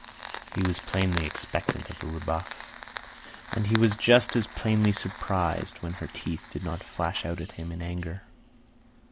He was plainly expectant of a rebuff, and he was just as plainly surprised when her teeth did not flash out at him in anger.